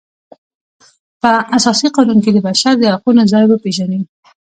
په اساسي قانون کې د بشر د حقونو ځای وپیژني.